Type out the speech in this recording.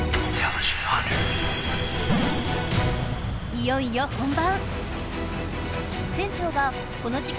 いよいよ本番。